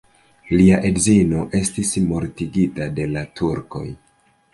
Lia edzino estis mortigita de la turkoj.